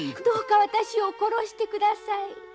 「どうか私を殺してください」